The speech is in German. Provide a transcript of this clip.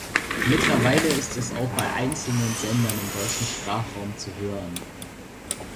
Mittlerweile ist es auch bei einzelnen Sendern im deutschen Sprachraum zu hören.